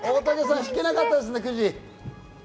引けなかったですね。